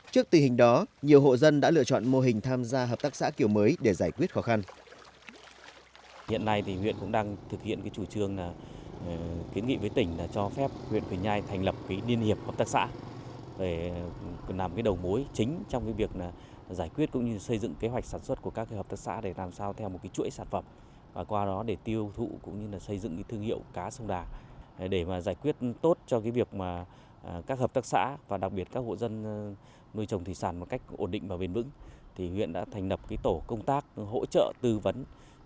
trước tình hình đó nhiều hộ dân đã lựa chọn mô hình tham gia hợp tác xã kiểu mới để giải quyết khó khăn